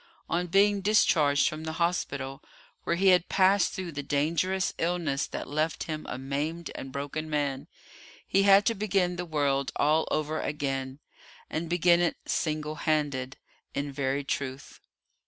On being discharged from the hospital, where he had passed through the dangerous illness that left him a maimed and broken man, he had to begin the world all over again, and begin it single handed, in very truth.